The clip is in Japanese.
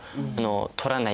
「取らないで」